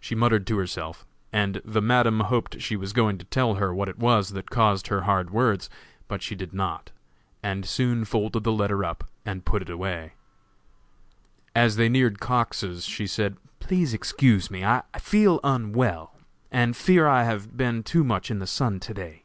She muttered to herself, and the Madam hoped she was going to tell her what it was that caused her hard words; but she did not, and soon folded the letter up and put it away. As they neared Cox's she said: "Please excuse me; I feel unwell, and fear I have been too much in the sun to day."